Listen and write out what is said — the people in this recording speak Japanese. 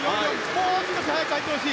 もう少し早く入ってほしい。